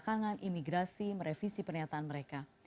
kalangan imigrasi merevisi pernyataan mereka